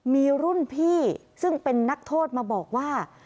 มีรุ่นพี่ซึ่งเป็นนักโทษมาบอกว่า